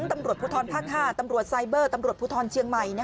ตำรวจภูทรภาค๕ตำรวจไซเบอร์ตำรวจภูทรเชียงใหม่